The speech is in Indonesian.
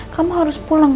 kamu harus pulang